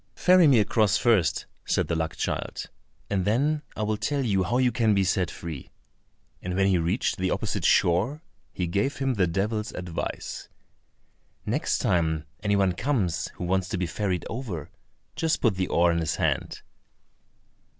"Ferry me across first," said the luck child, "and then I will tell you how you can be set free," and when he reached the opposite shore he gave him the devil's advice: "Next time any one comes, who wants to be ferried over, just put the oar in his hand."